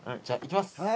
じゃあいきます。